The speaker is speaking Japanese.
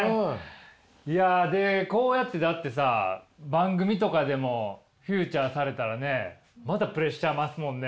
いやこうやってだってさ番組とかでもフィーチャーされたらねまたプレッシャー増すもんね。